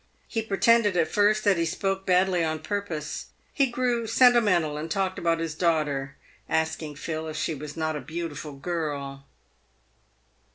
He pre tended at first that he spoke badly on purpose. He grew senti mental, and talked about his daughter, asking Phil if she was not a beautiful girl.